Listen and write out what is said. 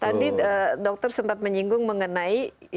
tadi dokter sempat menyinggung mengenai ya jalan kaki tapi cantik